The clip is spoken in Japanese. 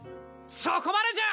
・そこまでじゃ！